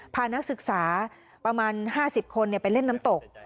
พานักศึกษาประมาณ๕๐คนไปเล่นน้ำตก